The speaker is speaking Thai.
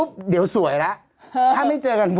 พี่ขับรถไปเจอแบบ